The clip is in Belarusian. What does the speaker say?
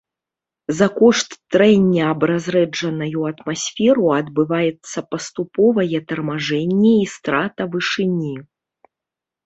За кошт трэння аб разрэджаную атмасферу адбываецца паступовае тармажэнне і страта вышыні.